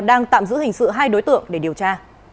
đang tạm giữ hình sự hai đối tượng để điều tra